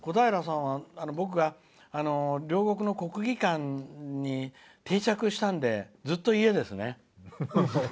小平さんは僕が両国の国技館に定着したんで、ずっと家ですね。